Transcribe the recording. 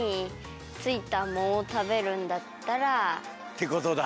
てことだ。